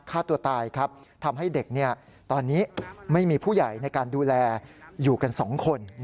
ฆ่าตัวตายครับทำให้เด็กตอนนี้ไม่มีผู้ใหญ่ในการดูแลอยู่กันสองคน